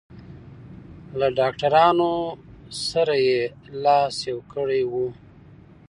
له ډاکټرانو سره یې لاس یو کړی و.